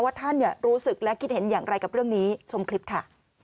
ท่านรู้สึกและคิดเห็นอย่างไรกับเรื่องนี้ชมคลิปค่ะ